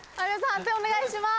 判定お願いします。